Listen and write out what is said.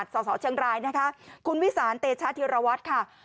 สสเชียงรายนะคะคุณวิสานเตชะธิรวัตรค่ะ